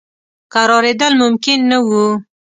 کرارېدل ممکن نه وه.